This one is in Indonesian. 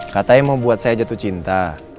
katanya mau buat saya jatuh cinta